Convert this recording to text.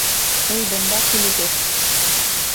— Эй, бында килегеҙ!